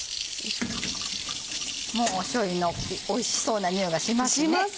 もうしょうゆのおいしそうな匂いがしますね。